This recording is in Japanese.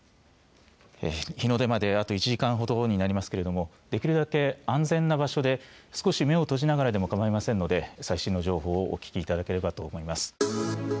日の出まで、あと１時間ほどになりますけれどもできるだけ安全な場所で少し目を閉じながらでもかまいませんので最新の情報をお聞きいただければと思います。